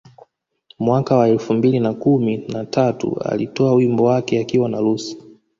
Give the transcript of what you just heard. Mwaka wa elfu mbili na kumi na tatu alitoa wimbo wake akiwa na Lucci